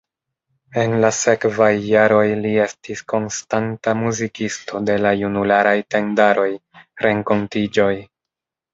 En la sekvaj jaroj li estis konstanta muzikisto de la junularaj tendaroj, renkontiĝoj.